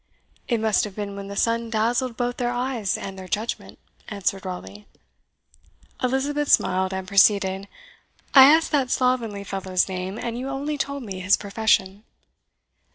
"It must have been when the sun dazzled both their eyes and their judgment," answered Raleigh. Elizabeth smiled, and proceeded, "I asked that slovenly fellow's name, and you only told me his profession."